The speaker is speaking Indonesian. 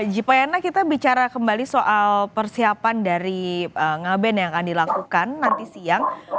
jipayana kita bicara kembali soal persiapan dari ngaben yang akan dilakukan nanti siang